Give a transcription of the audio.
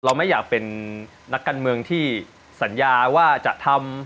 ไม่อยากเป็นนักการเมืองที่สัญญาว่าจะทำ